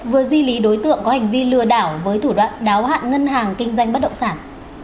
vừa di lý đối tượng có hành vi lừa đảo với thủ đoạn đáo hạn ngân hàng kinh doanh bất động sản